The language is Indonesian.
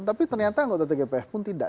tapi ternyata anggota tgpf pun tidak